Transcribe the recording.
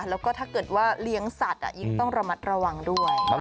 แล้วก็ถ้าเกิดว่าเลี้ยงสัตว์ยิ่งต้องระมัดระวังด้วย